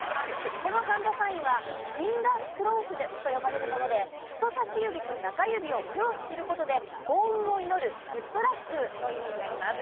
このハンドサインはｆｉｎｇｅｒｓｃｒｏｓｓｅｄと呼ばれるもので人さし指と中指をクロスする事で幸運を祈るグッドラックの意味になります。